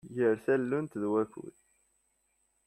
Gar tallunt ed wakud.